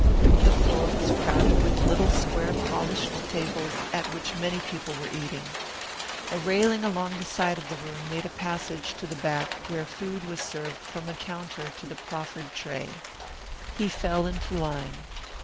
The floor was crowded with little square polished tables at which many people were eating. A railing along the side of the room made a passage to the back where food was served from a counter to the proffered tray. He fell into line.